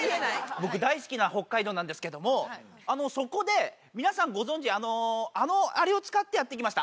僕、大好きな北海道なんですけども、そこで皆さんご存じ、あのあれを使ってやってきました。